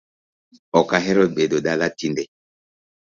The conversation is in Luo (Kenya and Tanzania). Ok ahero bedo dala tinde